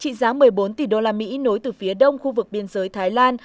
trị giá một mươi bốn tỷ usd nối từ phía đông khu vực biên giới thái lan